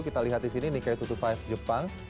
kita lihat di sini nikkei dua ratus dua puluh lima jepang